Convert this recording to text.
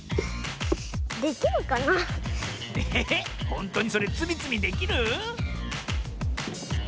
ほんとにそれつみつみできる？